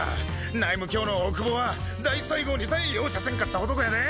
内務卿の大久保は大西郷にさえ容赦せんかった男やで。